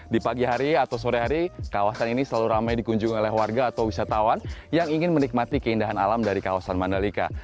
di pagi hari atau sore hari kawasan ini selalu ramai dikunjungi oleh warga atau wisatawan yang ingin menikmati keindahan alam dari kawasan mandalika